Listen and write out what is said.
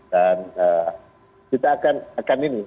dan kita akan ini